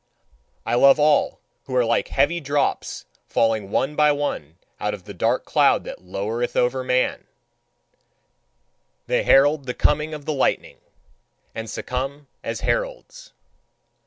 I love all who are like heavy drops falling one by one out of the dark cloud that lowereth over man: they herald the coming of the lightning, and succumb as heralds.